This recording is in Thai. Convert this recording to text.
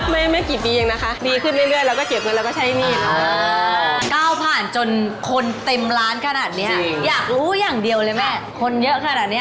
ไม่กี่ปียังนะคะดีขึ้นเรื่อยแล้วก็เก็บเงินแล้วก็ใช้นี่